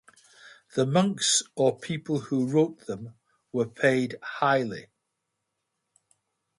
The monks or people who wrote them were paid highly.